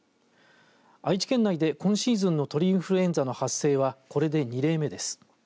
愛知県内で今シーズンの鳥インフルエンザの発生はこれで２例目です。